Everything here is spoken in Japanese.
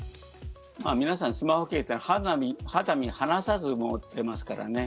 皆さん、スマホケース肌身離さず持ってますからね。